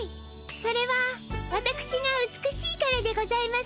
それはわたくしが美しいからでございますね。